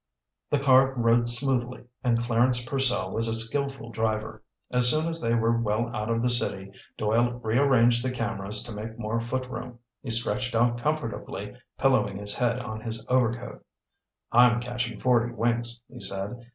The car rode smoothly and Clarence Purcell was a skilful driver. As soon as they were well out of the city, Doyle rearranged the cameras to make more foot room. He stretched out comfortably, pillowing his head on his overcoat. "I'm catching forty winks," he said.